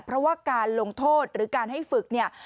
เพราะว่าการลงโทษหรือการให้ฝึกเนี่ย